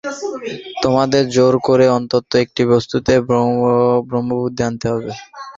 তোমাদের জোর করে অন্তত একটি বস্তুতে ব্রহ্মবুদ্ধি আনতে হবে।